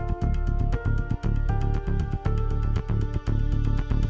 saya sudah memaafkan yang melakukan mbak nurin